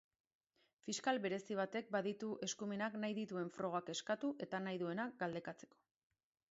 Fiskal berezi batek baditu eskumenak nahi dituen frogak eskatu eta nahi duena galdekatzeko.